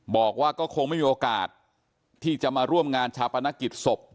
บอกว่าก็คงไม่มีโอกาสที่จะมาร่วมงานชาปนกิจศพ